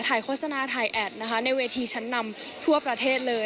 โฆษณาถ่ายแอดนะคะในเวทีชั้นนำทั่วประเทศเลย